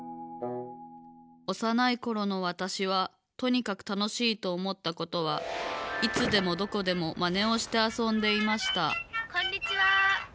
おさないころのわたしはとにかくたのしいとおもったことはいつでもどこでもまねをしてあそんでいましたこんにちは。